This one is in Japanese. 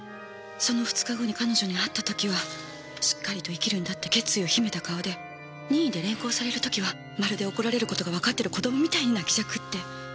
その２日後に彼女に会った時はしっかりと生きるんだって決意を秘めた顔で任意で連行される時はまるで怒られる事がわかってる子供みたいに泣きじゃくって。